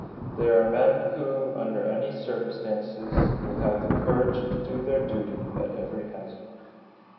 There are men who, under any circumstances, will have the courage to do their duty at every hazard.